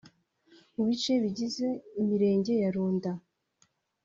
mu bice bigize imirenge ya Runda